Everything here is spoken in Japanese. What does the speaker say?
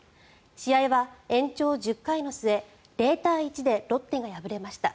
試合は延長１０回の末０対１でロッテが敗れました。